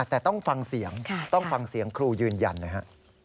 แต่ต้องฟังเสียงต้องฟังเสียงครูยืนยันหน่อยฮะ